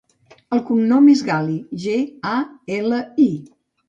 El cognom és Gali: ge, a, ela, i.